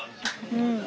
うん。